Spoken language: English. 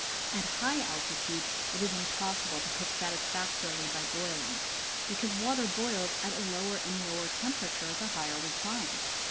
At high altitudes it is impossible to cook satisfactorily by boiling, because water boils at a lower and lower temperature the higher we climb.